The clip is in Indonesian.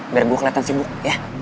biar gue kelihatan sibuk ya